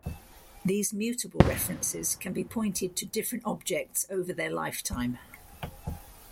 These mutable references can be pointed to different objects over their lifetime.